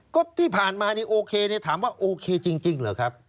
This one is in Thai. ก็ที่ผ่านมาโอเคถามว่าโอเคจริงเหรอครับ